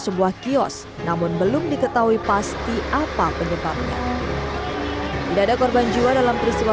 sebuah kios namun belum diketahui pasti apa penyebabnya tidak ada korban jiwa dalam peristiwa